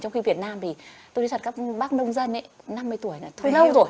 trong khi việt nam thì tôi nói thật các bác nông dân ấy năm mươi tuổi là thôi lâu rồi